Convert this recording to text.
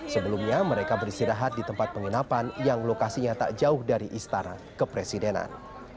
sebelumnya mereka beristirahat di tempat penginapan yang lokasinya tak jauh dari istana kepresidenan